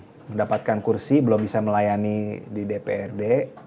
belum mendapatkan kursi belum bisa melayani di dprd